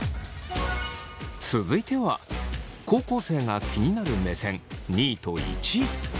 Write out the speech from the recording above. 続いては高校生が気になる目線２位と１位。